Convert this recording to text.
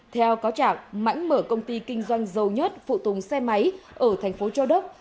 theo cáo trạng mãnh mở công ty kinh doanh dầu nhất phụ tùng xe máy ở thành phố châu đốc